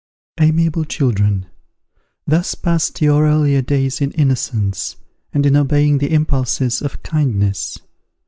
Amiable children! thus passed your earlier days in innocence, and in obeying the impulses of kindness.